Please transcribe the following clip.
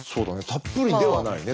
たっぷりではないね